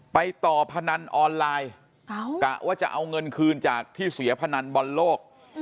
ไปต่อพนันออนไลน์กะว่าจะเอาเงินคืนจากที่เสียพนันบอลโลก